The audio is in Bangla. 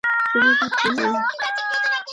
শুভ রাত্রি মা!